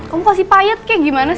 kamu pasti payet kayak gimana sih